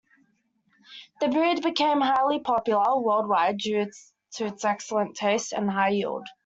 The breed became highly popular worldwide due to its excellent taste and high yield.